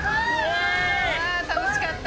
ああ楽しかった！